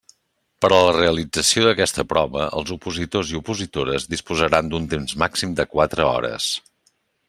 Per a la realització d'aquesta prova, els opositors i opositores disposaran d'un temps màxim de quatre hores.